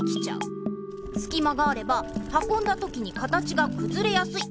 すき間があればはこんだときに形がくずれやすい。